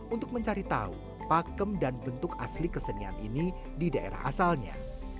untuk mencari tahu pakem dan bentuk asli kesenian ini di daerah asalnya